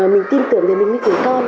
mình tin tưởng để mình gửi con